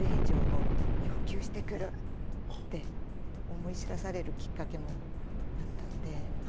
思い知らされるきっかけもあったんで。